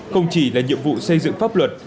không chỉ là nhiệm vụ xây dựng pháp luật